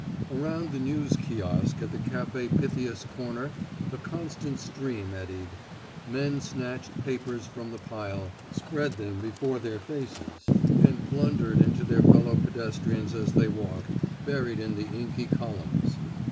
Around the news kiosk at the Café Pytheas corner a constant stream eddied. Men snatched papers from the pile, spread them before their faces, and blundered into their fellow pedestrians as they walked, buried in the inky columns.